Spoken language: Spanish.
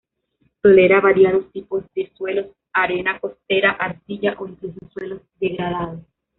Tolera variados tipos de suelos, arena costera, arcilla o incluso suelos degradados.